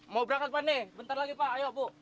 mau berangkat pak nih bentar lagi pak ayo bu